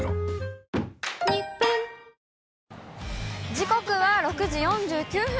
時刻は６時４９分。